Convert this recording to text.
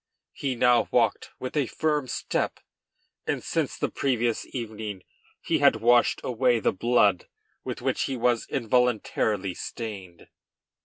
He now walked with a firm step, and since the previous evening he had washed away the blood with which he was, involuntarily, stained.